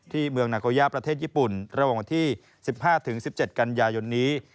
เมืองนาโกย่าประเทศญี่ปุ่นระหว่างวันที่๑๕๑๗กันยายนนี้